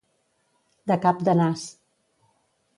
De cap de nas.